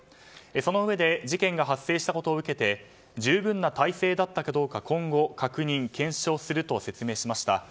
そのうえで事件が発生したことを受けて十分な体制だったかどうか、今後確認・検証すると説明しました。